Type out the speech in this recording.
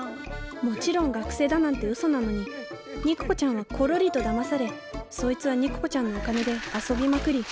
もちろん学生だなんてうそなのに肉子ちゃんはコロリとだまされそいつは肉子ちゃんのお金で遊びまくり